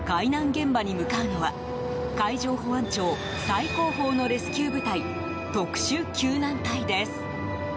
現場に向かうのは海上保安庁最高峰のレスキュー部隊特殊救難隊です。